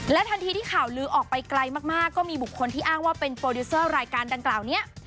ทันทีที่ข่าวลือออกไปไกลมากก็มีบุคคลที่อ้างว่าเป็นโปรดิวเซอร์รายการดังกล่าวนี้